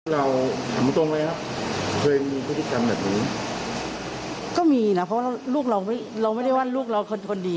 เราถามตรงเลยครับเคยมีพฤติธรรมแบบนี้